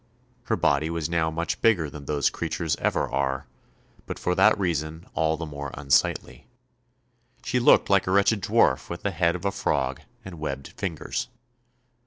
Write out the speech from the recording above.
Her body was now much bigger than those creatures ever are, but for that reason all the more unsightly. She looked like a wretched dwarf with the head of a frog and webbed fingers.